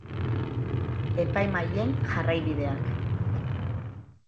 Epaimahaien jarraibideak.